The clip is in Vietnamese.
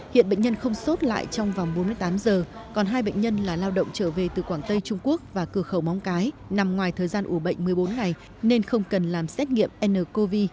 hiện bệnh nhân không sốt lại trong vòng bốn mươi tám giờ còn hai bệnh nhân là lao động trở về từ quảng tây trung quốc và cửa khẩu móng cái nằm ngoài thời gian ủ bệnh một mươi bốn ngày nên không cần làm xét nghiệm ncov